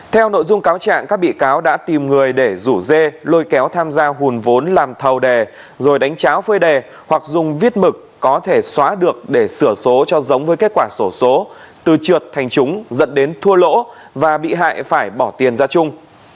theo nội dung cáo trạng các bị cáo đã tìm người để rủ dê lôi kéo tham gia hùn vốn làm thầu đè rồi đánh cháo phơi đề hoặc dùng viết mực có thể xóa được để sửa số cho giống với kết quả sổ số từ trượt thành chúng dẫn đến thua lỗ và bị hại phải bỏ tiền ra chung